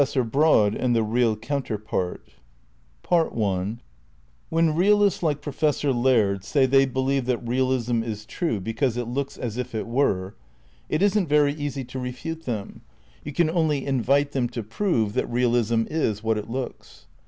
m SOME EEALIST THEORIES OP PEECEPTION When realists like Professor Laird say they believe that realism is true because it looks as if it were, it p^^ isn't very easy to refute them; you can only invite feasor them to prove that realism is what it looks.